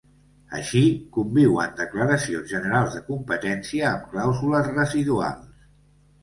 Així, conviuen declaracions generals de competència amb clàusules residuals.